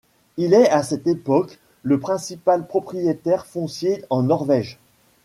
Il est à cette époque le principal propriétaire foncier en Norvège.